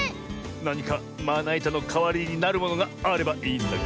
なにかまないたのかわりになるものがあればいいんだが。